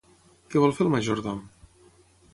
Què vol fer el majordom?